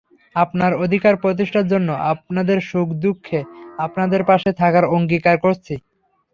আপনাদের অধিকার প্রতিষ্ঠার জন্য, আপনাদের সুখে-দুঃখে আপনাদের পাশে থাকার অঙ্গীকার করছি।